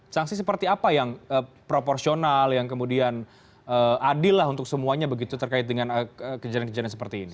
sanksi seperti apa yang proporsional yang kemudian adil lah untuk semuanya begitu terkait dengan kejadian kejadian seperti ini